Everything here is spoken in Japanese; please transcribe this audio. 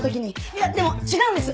いやでも違うんです。